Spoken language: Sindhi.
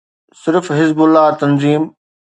صرف حزب الله تنظيم.